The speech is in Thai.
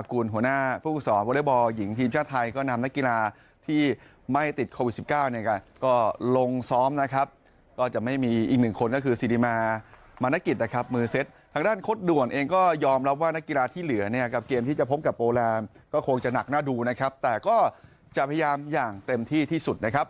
ก็ลงซ้อมนะครับก็จะไม่มีอีกหนึ่งคนก็คือศิริมามณกิจนะครับมือเซ็ตทางด้านกฎด่วนเองก็ยอมรับว่านักกีฬาที่เหลือเนี่ยกับเกมที่จะพบกับโปรแรมก็คงจะหนักหน้าดูนะครับแต่ก็จะพยายามอย่างเต็มที่ที่สุดนะครับ